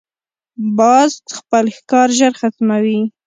باز خپل ښکار ژر ختموي